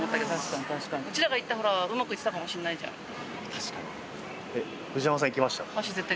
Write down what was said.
確かに。